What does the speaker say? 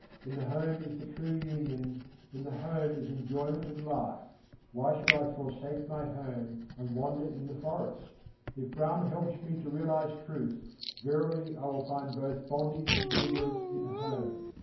In the home is the true union, in the home is enjoyment of life: why should I forsake my home and wander in the forest? If Brahma helps me to realize truth, verily I will find both bondage and deliverance in home.